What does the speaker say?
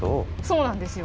そうなんですよ。